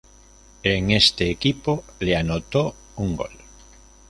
En este equipo le anotó un gol.